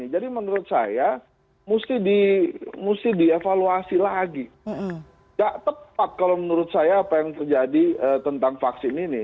jadi menurut saya mesti dievaluasi lagi nggak tepat kalau menurut saya apa yang terjadi tentang vaksin ini